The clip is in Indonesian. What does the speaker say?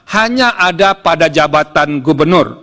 hanya ada pada jabatan gubernur